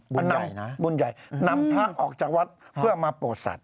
บุญใหญ่นะครับบุญใหญ่นำพระออกจากวัดเพื่อมาโปรดศัตริย์